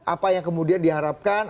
apa yang kemudian diharapkan